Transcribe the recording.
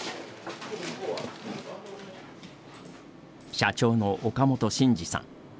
社長の岡本慎二さん。